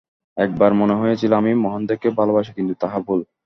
একবার মনে হইয়াছিল, আমি মহেন্দ্রকে ভালোবাসি, কিন্তু তাহা ভুল।